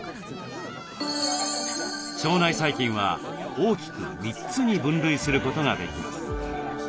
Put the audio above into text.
腸内細菌は大きく３つに分類することができます。